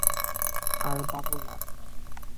আর, বাবু না।